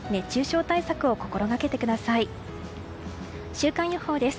週間予報です。